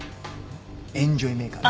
エンジョイメーカーズ。